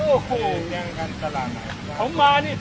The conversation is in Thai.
เออเปิดเบาหน่อย